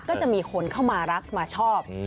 ก็จะมีคนเข้ามารักมาชอบ